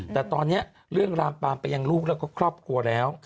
แต่ตอนนี้เรื่องลามปามไปยังลูกแล้วก็ครอบครัวแล้ว